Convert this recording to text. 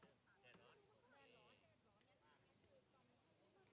สวัสดีครับ